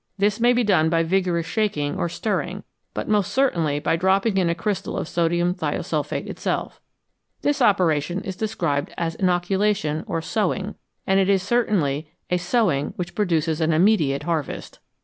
This may be done by vigorous shaking or stirring, but most certainly by dropping in a ciystal of sodium thiosulphate itself. This operation is described as " inoculation " or " sowing,"" and it is certainly a sowing which produces an immediate harvest.